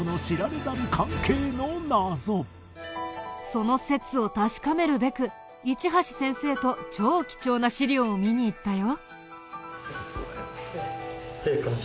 その説を確かめるべく市橋先生と超貴重な史料を見に行ったよ。